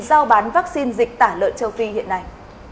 giao bán vaccine dịch tả lợn châu phi hiện nay